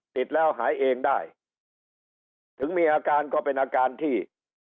ติดแล้วหายเองได้ถึงมีอาการก็เป็นอาการที่